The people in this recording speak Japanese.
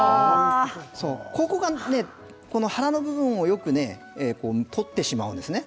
この腹の部分をよく取ってしまうんですね。